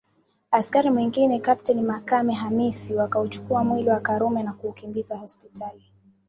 Askari mwingine Kapteni Makame Hamis wakauchukua mwili wa Karume na kuukimbiza hospitali